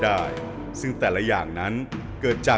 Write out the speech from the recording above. เหมือนเล็บแต่ของห้องเหมือนเล็บตลอดเวลา